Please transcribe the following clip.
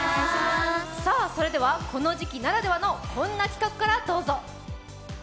それではこの時期ならではのこんな企画からどうぞ。